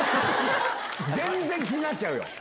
全然気になっちゃうよ。